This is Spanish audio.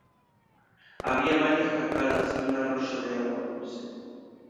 Había varias cascadas y un arroyo de agua dulce.